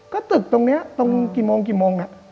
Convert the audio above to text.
ก็ตึกตรงนี้ตรงกี่โมง